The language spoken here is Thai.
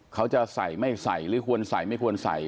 เขาจะใส่ไม่ใส่หรือควรใส่ไม่ควรใส่